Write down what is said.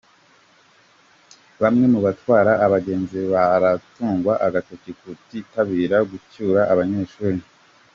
Bamwe mu batwara abagenzi baratungwa agatoki ku kutitabira gucyura abanyeshuri